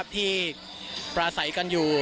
ที่ปลาใสกันอยู่